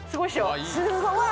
すごい！